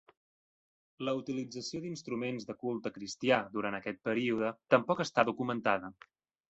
La utilització d"instruments de culte cristià durant aquest període tampoc està documentada.